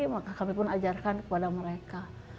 maka kami pun ajarkan kepada mereka